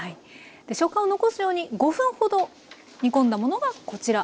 食感を残すように５分ほど煮込んだものがこちら。